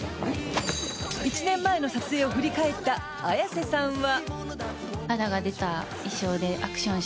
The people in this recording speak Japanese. １年前の撮影を振り返った綾瀬さんは。